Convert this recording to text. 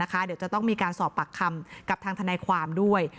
เดี๋ยวจะต้องมีการสอบปากคำกับทางทนายความด้วย